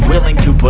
dia anak kamu